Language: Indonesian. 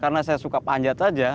karena saya suka panjat saja